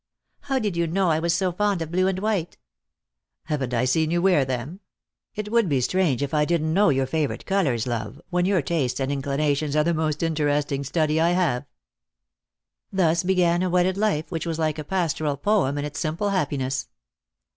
How did you know I was so fond of blue and white ?"" Haven't I seen you wear them ? It would be strange if I didn't know your favourite colours, love, when your tastes and inclinations are the most interesting study I have." Thus began a wedded life which was like a pastoral poem in its simple happiness.